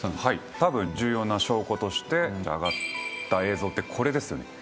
たぶん重要な証拠としてあがった映像ってこれですよね。